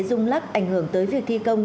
dung lắc ảnh hưởng tới việc thi công